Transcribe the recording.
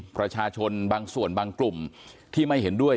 ประชาชนบางส่วนบางกลุ่มที่ไม่เห็นด้วย